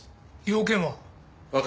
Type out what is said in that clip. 用件は？